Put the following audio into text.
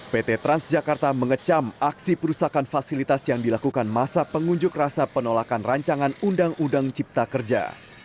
pt transjakarta mengecam aksi perusakan fasilitas yang dilakukan masa pengunjuk rasa penolakan rancangan undang undang cipta kerja